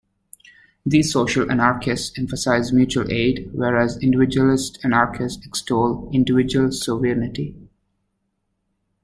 These social anarchists emphasize mutual aid, whereas individualist anarchists extoll individual sovereignty.